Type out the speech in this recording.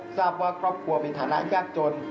ทราบว่าครอบครัวเป็นฐานะยากจน